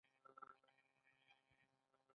دا د جوړښتونو په اصلاح کې وي.